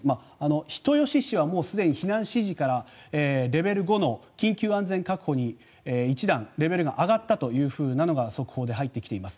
人吉市はすでに避難指示からレベル５の緊急安全確保に１段レベルが上がったというのが速報で入ってきています。